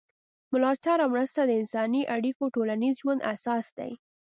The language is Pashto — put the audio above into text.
ملاتړ او مرسته د انساني اړیکو او ټولنیز ژوند اساس دی.